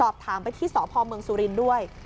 สอบถามไปที่สพเมืองสุรินทร์ด้วย